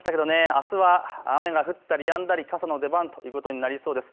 あすは雨が降ったりやんだり、傘の出番ということになりそうです。